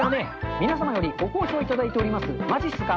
皆様よりご好評いただいておりますまじっすか。